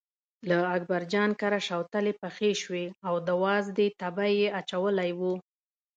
له اکبرجان کره شوتلې پخې شوې او د وازدې تبی یې اچولی و.